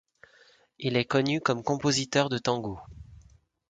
Il est connu comme compositeur de tangos.